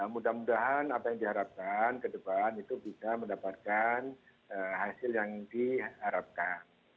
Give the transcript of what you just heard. mudah mudahan apa yang diharapkan ke depan itu bisa mendapatkan hasil yang diharapkan